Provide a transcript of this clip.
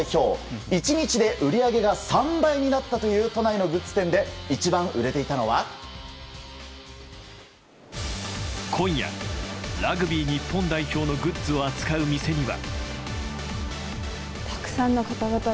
１日で売り上げが３倍になったという都内のグッズ店で今夜、ラグビー日本代表のグッズを扱う店には。